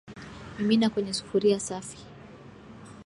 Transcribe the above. mimina kwenye sufuria safi